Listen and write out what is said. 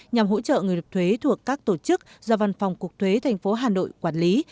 nhằm hỗ trợ người nộp thuế thuộc các tổ chức do văn phòng cục thuế thành phố hà nội quản lý